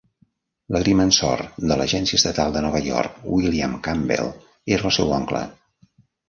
L'agrimensor de l'agència estatal de Nova York, William Campbell, era el seu oncle.